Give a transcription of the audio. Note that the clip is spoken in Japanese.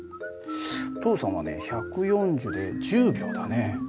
お父さんはね１４０で１０秒だね。